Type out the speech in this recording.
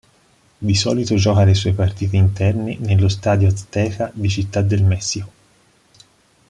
Di solito gioca le sue partite interne nello Stadio Azteca di Città del Messico.